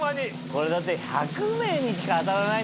これだって１００名にしか当たらないんでしょ？